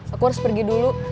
aku harus pergi dulu